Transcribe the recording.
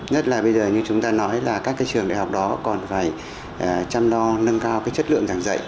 nhất là bây giờ như chúng ta nói là các trường đại học đó còn phải chăm lo nâng cao chất lượng giảng dạy